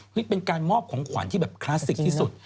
เป็นการมอบของขวัญที่แบบคลาสสิกที่สุด